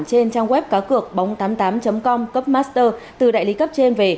trên trang web cá cược bóng tám mươi tám com cấp master từ đại lý cấp trên về